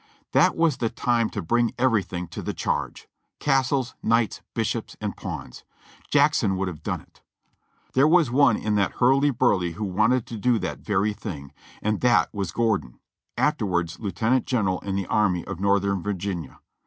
That was the time to bring everything to the charge ; castles, knights, bishops, and pawns. Jackson would have done it! There was one in that hurly burly who wanted to do that very thing; and that was Gordon, afterwards Lieutenant General in the Army of Northern Virginia.